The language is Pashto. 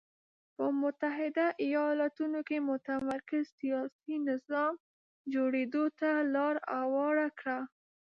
په متحده ایالتونو کې متمرکز سیاسي نظام جوړېدو ته لار هواره کړه.